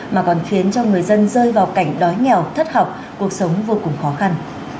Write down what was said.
mà còn khiến cho người dân rơi vào cảnh đói nghèo thất học cuộc sống vô cùng khó khăn